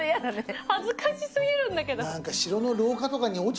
恥ずかし過ぎるんだけど。